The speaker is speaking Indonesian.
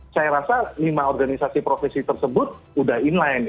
saya rasa lima organisasi profesi tersebut sudah inline